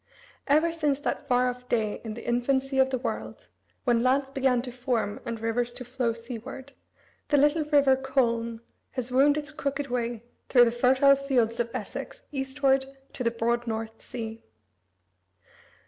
Ever since that far off day in the infancy of the world, when lands began to form and rivers to flow seaward, the little river Colne has wound its crooked way through the fertile fields of Essex eastward to the broad North Sea.